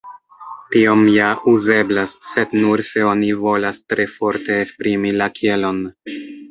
Tiom ja uzeblas, sed nur se oni volas tre forte esprimi la kielon.